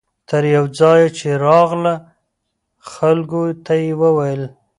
تر یوه ځایه چې راغله خلکو ته یې وویل.